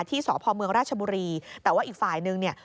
ที่สพเมืองราชบุรีแต่ว่าอีกฝ่ายนึงเนี่ย